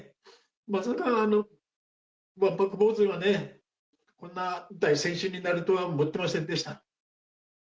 まさかあのわんぱく坊主がね、こんな大選手になるとは思ってませんでした。